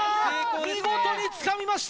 見事につかみました。